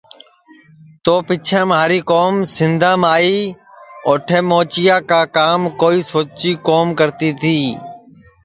تو پیچھیں مہاری کُوم سندھام آئی اٹھے موچیا کا کام کوئی سوچی کُوم کرتی تی